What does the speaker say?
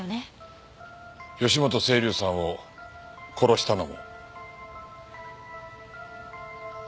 義本青流さんを殺したのも。